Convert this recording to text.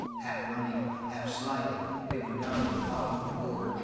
Half running, half sliding, they went down to the bottom of the gorge.